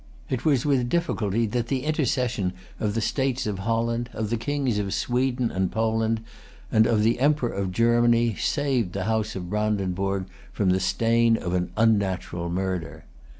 It was with difficulty that the intercession of the States of Holland, of the Kings of Sweden and Poland, and of the Emperor of Germany, saved the House of Brandenburg from the stain of an unnatural murder.